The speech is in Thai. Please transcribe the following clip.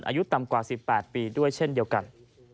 อายุต่ำกว่า๑๘ปีด้วยเช่นเดียวกัน